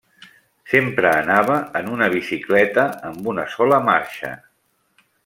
Sempre anava en una bicicleta amb una sola marxa.